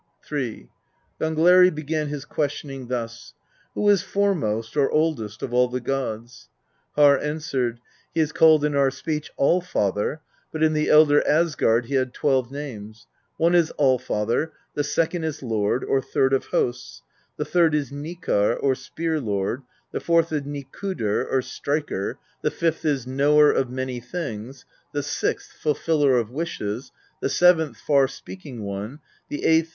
III. Gangleri began his questioning thus: "Who is fore most, or oldest, of all the gods?" Harr answered: " He is called in our speech Allfather, but in the Elder Asgard he had twelve names: one is Allfather; the second is Lord, or Lord of Hosts; the third is Nikarr, or Spear Lord; the fourth is Nikudr, or Striker; the fifth is Knower of Many Things; the sixth, Fulfiller of Wishes ; the seventh, Far Speaking One; the eighth.